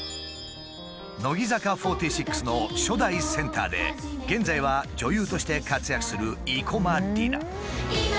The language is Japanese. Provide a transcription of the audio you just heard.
乃木坂４６の初代センターで現在は女優として活躍する生駒里奈。